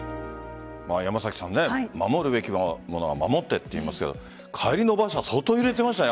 守るべきものは守ってっていいますが帰りの馬車相当揺れていましたね。